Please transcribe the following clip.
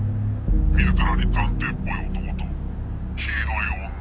見るからに探偵っぽい男と黄色い女。